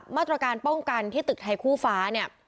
มาตรการป้องกันที่ตึกไทยคู่ฟ้าเนี่ย